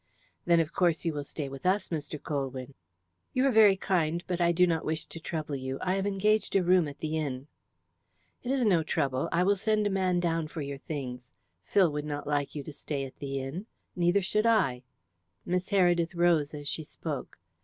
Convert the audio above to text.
"Then of course you will stay with us, Mr. Colwyn." "You are very kind, but I do not wish to trouble you. I have engaged a room at the inn." "It is no trouble. I will send down a man for your things. Phil would not like you to stay at the inn neither should I." Miss Heredith rose as she spoke.